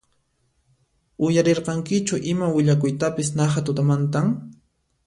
Uyarirankichu ima willakuytapis naqha tutamantan?